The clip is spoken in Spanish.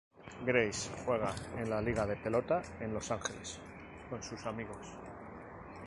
Grace juega en la liga de pelota en Los Ángeles con sus amigos.